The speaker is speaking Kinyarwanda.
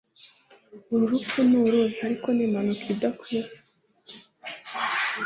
Uru rupfu ni uruhe ariko ni impanuka idakwiye